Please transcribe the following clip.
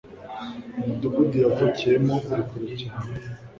umudugudu yavukiyemo uri kure cyane